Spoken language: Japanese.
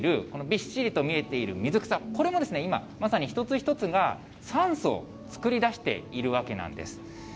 このびっしりと見えている水草、これも今、まさに一つ一つが酸素を作り出しているわけなんです。